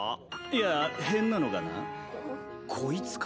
いや変なのがな。こいつか？